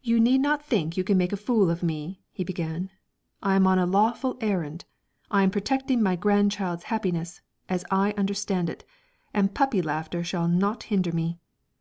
"You need not think you can make a fool of me," he began; "I am on a lawful errand: I am protecting my grandchild's happiness, as I understand it, and puppy laughter shall not hinder me.